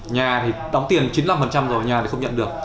nhà thì đóng tiền chín mươi năm rồi nhà thì không nhận được